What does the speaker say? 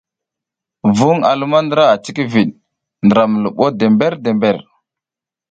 Vuƞ a luma ndra a cikivit ndra mi luɓo dember-dember.